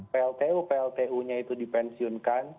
pltu pltu nya itu dipensiunkan